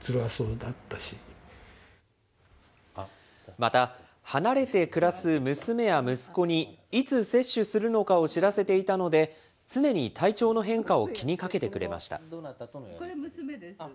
また、離れて暮らす娘や息子に、いつ接種するのかを知らせていたので、常に体調の変化を気にかけてくれました。